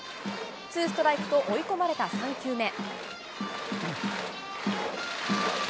ツーストライクと追い込まれた３球目。